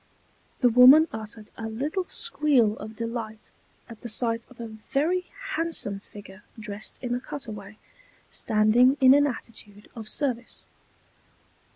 The woman uttered a little squeal of delight at the sight of a very handsome figure dressed in a cutaway, standing in an attitude of service.